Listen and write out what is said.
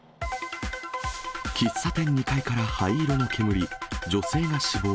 喫茶店２階から灰色の煙。